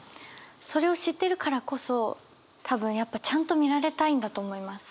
それを知ってるからこそ多分やっぱちゃんと見られたいんだと思います。